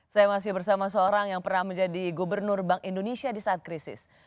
saya masih bersama seorang yang pernah menjadi gubernur bank indonesia di saat krisis